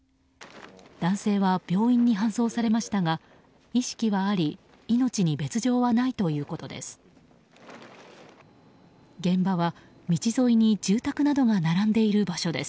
男性は病院に搬送されましたが意識はあり命に別条はないということです。